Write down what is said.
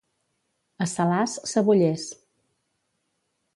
A Salàs, cebollers.